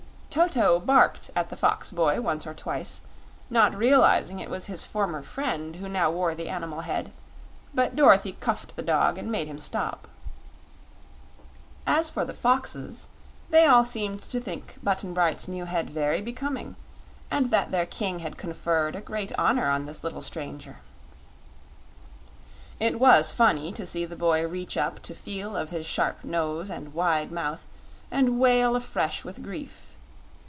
Toto barked at the fox boy once or twice, not realizing it was his former friend who now wore the animal head; but Dorothy cuffed the dog and made him stop. As for the foxes, they all seemed to think Button Bright's new head very becoming and that their King had conferred a great honor on this little stranger. It was funny to see the boy reach up to feel of his sharp nose and wide mouth, and wail afresh with grief.